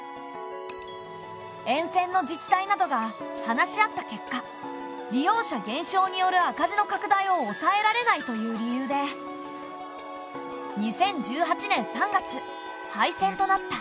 沿線の自治体などが話し合った結果利用者減少による赤字の拡大を抑えられないという理由で２０１８年３月廃線となった。